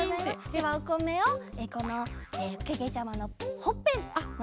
ではおこめをこのけけちゃまのほっぺのところですね。